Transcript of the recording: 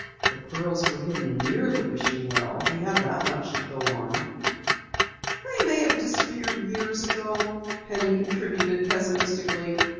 "The pearls were hidden near the wishing well. We have that much to go on." "They may have disappeared years ago," Penny contributed pessimistically.